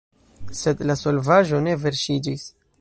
Sed la solvaĵo ne verŝiĝis.